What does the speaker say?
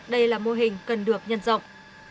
đây là mô hình cần được nhân rộng